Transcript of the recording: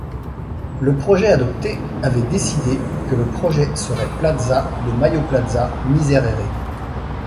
Le projet adopté avait décidé que le trajet serait Plaza de Mayo-Plaza Miserere.